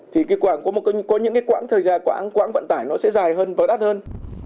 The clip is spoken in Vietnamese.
thì có những quãng thời gian quãng vận tải nó sẽ dài hơn và đắt hơn